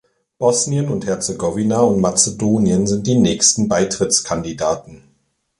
Bosnien und Herzegowina und Mazedonien sind die nächsten Beitrittskandidaten.